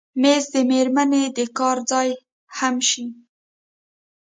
مېز د مېرمنې د کار ځای هم شي.